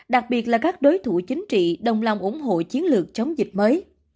đặc biệt là các đối thủ chính trị đồng lòng ủng hộ chiến lược chống dịch mới